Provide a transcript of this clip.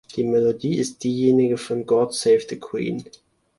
Die Melodie ist diejenige von "God Save the Queen".